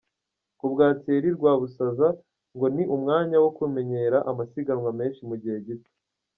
Kubwa Thierry Rwabusaza ngo ni umwanya wo kumenyera amasiganwa menshi mu gihe gito.